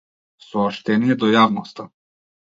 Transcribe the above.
Сооштение до јавноста.